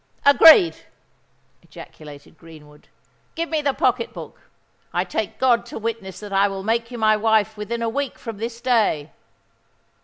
"Agreed!" ejaculated Greenwood. "Give me the pocket book—I take God to witness that I will make you my wife within a week from this day."